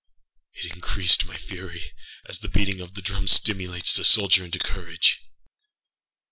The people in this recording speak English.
It increased my fury, as the beating of a drum stimulates the soldier into courage.